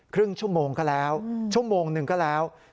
ครึ่งชั่วโมงก็แล้วชั่วโมงหนึ่งก็แล้ว